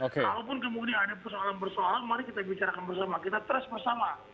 kalaupun kemudian ada persoalan persoalan mari kita bicarakan bersama kita trust bersama